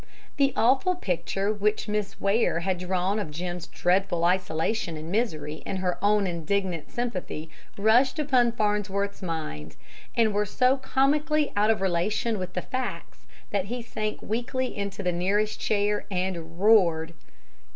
The awful picture which Miss Ware had drawn of Jim's dreadful isolation and misery and her own indignant sympathy rushed upon Farnsworth's mind, and were so comically out of relation with the facts that he sank weakly into the nearest chair and roared.